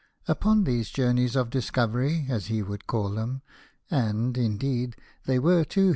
Upon these journeys of discovery, as he would call them— and, indeed, they were to 4 The Young King.